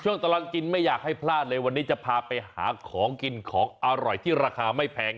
ตลอดกินไม่อยากให้พลาดเลยวันนี้จะพาไปหาของกินของอร่อยที่ราคาไม่แพง